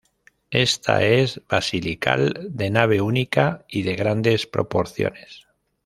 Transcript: Esta es basilical, de nave única y de grandes proporciones.